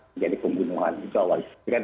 menjadi pembunuhan awal